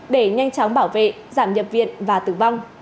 để nhanh chóng bảo vệ giảm nhập viện và tử vong